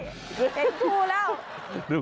เป็นครูแล้ว